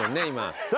今。